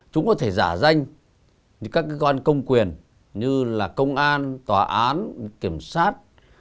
chúng có thể giả danh các cơ quan công quyền như là công an tòa án kiểm soát